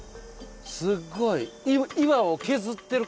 すっごい。